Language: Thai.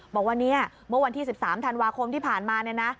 บอกว่าเมื่อวันที่๑๓ธันวาคมที่ผ่านมา